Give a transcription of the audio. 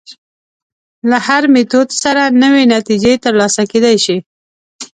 له هر میتود سره نوې نتیجې تر لاسه کېدای شي.